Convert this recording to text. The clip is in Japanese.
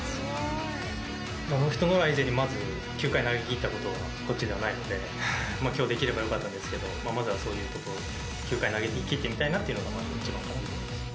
ノーヒットノーラン以前に、まず９回投げきったことが、こっちではないので、きょうできればよかったですけど、まずはそういうところで、９回投げきってみたいなっていうのが一番かなと思います。